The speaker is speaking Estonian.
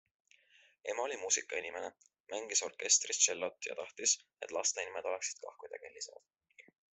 Ema oli muusikainimene, mängis orkestris tšellot ja tahtis, et laste nimed oleksid kah kuidagi helisevad.